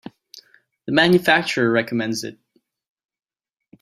The manufacturer recommends it.